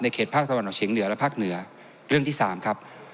เขตภาคตะวันออกเฉียงเหนือและภาคเหนือเรื่องที่สามครับ